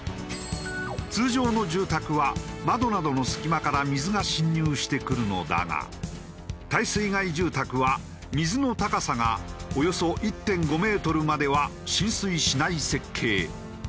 通常の住宅は窓などの隙間から水が浸入してくるのだが耐水害住宅は水の高さがおよそ１．５メートルまでは浸水しない設計。